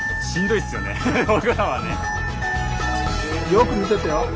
よく見ててよ。